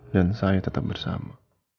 dan saya tetap bersama